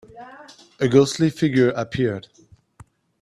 A ghostly figure appeared.